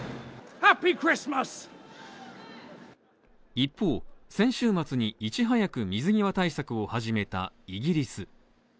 一方、先週末にいち早く水際対策を始めたイギリス。